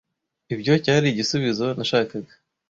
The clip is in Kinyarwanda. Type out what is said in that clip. Ibyo cyari igisubizo nashakaga.